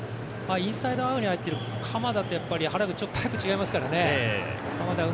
インサイドハーフに入ってる鎌田と原口はちょっとタイプが違いますからね。